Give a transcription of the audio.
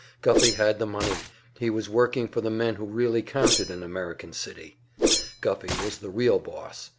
Guffey had the money, he was working for the men who really counted in American City; Guffey was the real boss.